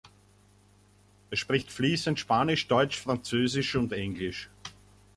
Er spricht fließend Spanisch, Deutsch, Französisch und Englisch.